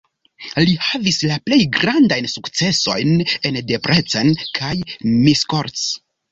Li havis la plej grandajn sukcesojn en Debrecen kaj Miskolc.